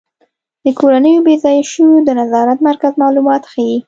د کورنیو بې ځایه شویو د نظارت مرکز معلومات ښيي.